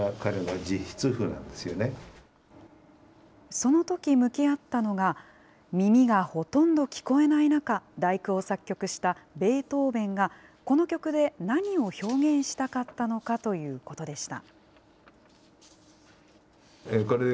そのとき向き合ったのが、耳がほとんど聞こえない中、第九を作曲したベートーベンが、この曲で何を表現したかったのかということでした。